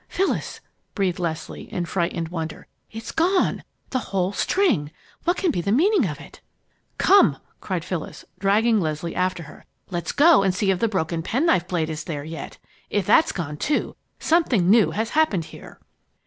"Phyllis!" breathed Leslie, in frightened wonder. "It's gone the whole string! What can be the meaning of it?" "Come!" cried Phyllis, dragging Leslie after her. "Let's go and see if the broken penknife blade is there yet. If that's gone, too, something new has happened here!"